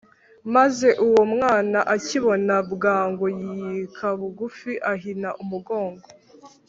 Maze uwo mwana akibona bwangu, Yika bugufi ahina umugongo